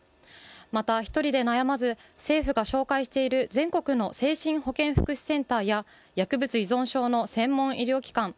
また、一人で悩まず、政府が紹介している全国の精神保健福祉センターや薬物依存症の専門医療機関